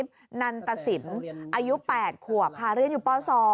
พระอาทิตย์นันตสิมอายุ๘ขวบคาเลี่ยนอยู่ป๒